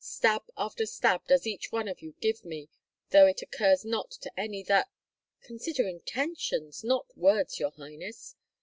Stab after stab does each one of you give me, though it occurs not to any that " "Consider intentions, not words, your highness."